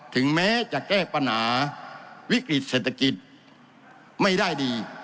ถึงแม้จะแก้ปัญหาวิกฤติเศรษฐกิจไม่ได้ดี